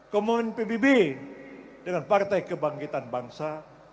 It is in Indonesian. komon pbb dengan partai kebangkitan bangsa